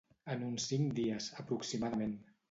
En uns cinc dies, aproximadament.